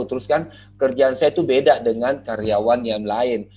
terus kan kerjaan saya itu beda dengan karyawan yang lain